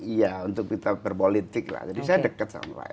iya untuk kita berpolitik lah jadi saya dekat sama dia lah ya